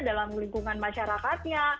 dalam lingkungan masyarakatnya